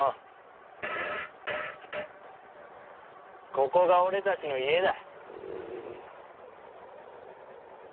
ここが俺たちの家だ。